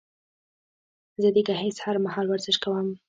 زه د ګهيځ هر مهال ورزش کوم